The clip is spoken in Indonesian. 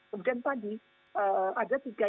kemudian tadi ada